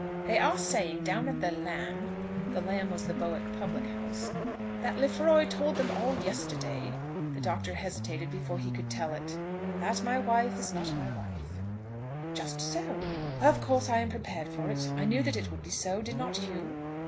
"They are saying down at the Lamb" the Lamb was the Bowick public house "that Lefroy told them all yesterday " the Doctor hesitated before he could tell it. "That my wife is not my wife?" "Just so." "Of course I am prepared for it. I knew that it would be so; did not you?"